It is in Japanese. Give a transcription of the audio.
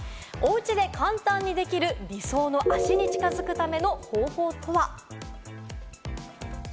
おうちで簡単にできる理想の脚に近づくための方法とは？